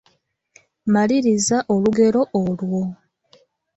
Maliriza olugero olwo.